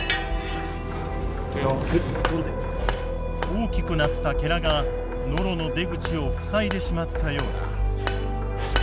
大きくなったがノロの出口を塞いでしまったようだ。